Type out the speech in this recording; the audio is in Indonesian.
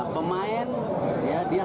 pemain dia sekolah